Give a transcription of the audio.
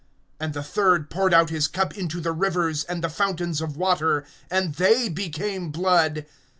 (4)And the third poured out his cup into the rivers, and the fountains of water; and they became blood.